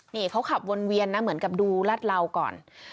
นี่เขาขับวนเวียนนะเหมือนกับดูรัดเหลาก่อน